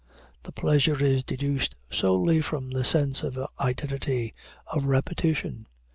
The pleasure is deduced solely from the sense of identity of repetition.